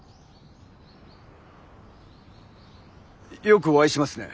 よくお会いしますね。